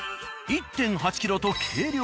１．８ｋｇと軽量。